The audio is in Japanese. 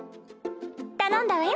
頼んだわよ